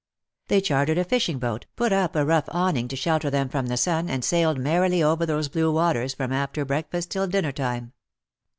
They chartered a fishing boat, put up a rough awning to shelter them from the sun, and sailed merrily over those blue waters from after breakfast till dinner time.